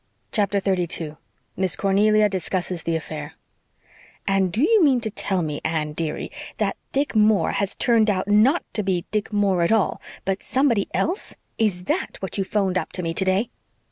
CHAPTER 32 MISS CORNELIA DISCUSSES THE AFFAIR "And do you mean to tell me, Anne, dearie, that Dick Moore has turned out not to be Dick Moore at all but somebody else? Is THAT what you phoned up to me today?"